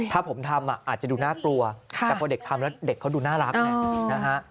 ถ้าผมทำอาจจะดูน่ากลัวแต่พอเด็กทำแล้วเด็กเขาดูน่ารักไงนะฮะ